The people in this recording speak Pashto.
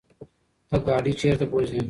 ته ګاډی چرته بوځې؟